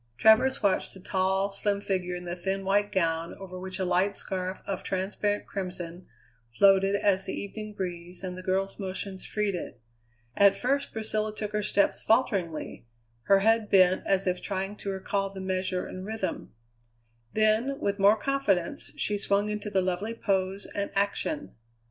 Travers watched the tall, slim figure in the thin white gown over which a light scarf, of transparent crimson, floated as the evening breeze and the girl's motions freed it. At first Priscilla took her steps falteringly, her head bent as if trying to recall the measure and rhythm; then with more confidence she swung into the lovely pose and action.